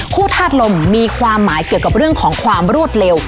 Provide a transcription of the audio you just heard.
ธาตุลมมีความหมายเกี่ยวกับเรื่องของความรวดเร็ว